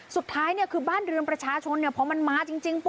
สุดท้ายเนี่ยคือบ้านเรือนประชาชนพอมันมาจริงปุ